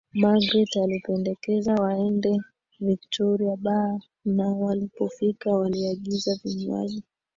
Magreth alipendekeza waende Victoria baa na walipofika waliagiza vinywaji